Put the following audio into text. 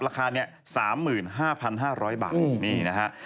ราคานี้๓๕๕๐๐บาทนี่นะฮะ